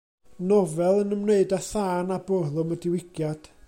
Nofel yn ymwneud a thân a bwrlwm y diwygiad.